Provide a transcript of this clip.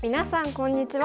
こんにちは。